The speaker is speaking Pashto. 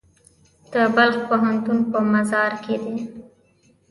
د بلخ پوهنتون په مزار کې دی